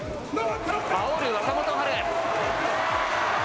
あおる若元春。